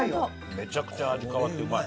めちゃくちゃ味変わってうまい。